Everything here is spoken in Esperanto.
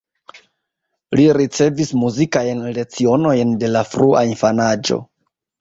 Li ricevis muzikajn lecionojn de la frua infanaĝo.